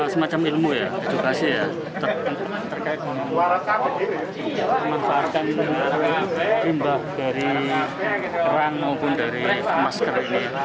semacam ilmu ya edukasi ya terkait memanfaatkan limbah dari kerang maupun dari masker ini